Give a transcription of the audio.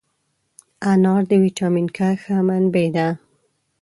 انار د ویټامین K ښه منبع ده.